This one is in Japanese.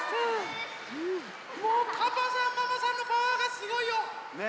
もうパパさんママさんのパワーがすごいよ。ね！